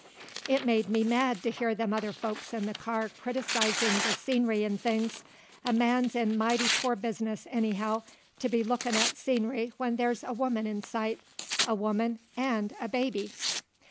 It made me mad to hear them other folks in the car criticizin' the scenery 'nd things. A man's in mighty poor bizness, anyhow, to be lookin' at scenery when there's a woman in sight, a woman and a baby!